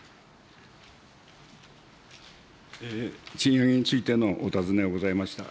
賃上げについてのお尋ねがございました。